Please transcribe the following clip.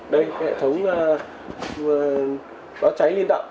đây là hệ thống báo cháy liên động